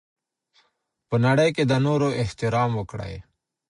په نړۍ کي د نورو احترام وکړئ.